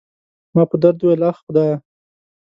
ما په درد وویل: اخ، خدایه.